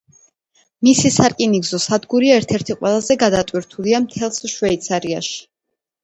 მისი სარკინიგზო სადგური ერთ-ერთი ყველაზე გადატვირთულია მთელს შვეიცარიაში.